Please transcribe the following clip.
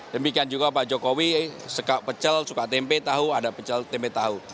demikian juga pak jokowi suka pecel suka tempe tahu ada pecel tempe tahu